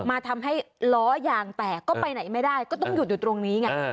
ทำให้ล้อยางแตกก็ไปไหนไม่ได้ก็ต้องหยุดอยู่ตรงนี้ไง